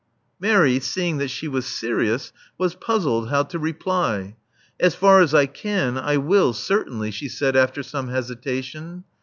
Mary, seeing that she was serious, was puzzled how to reply. As far as I can, I will, certainly," she said after some hesitation.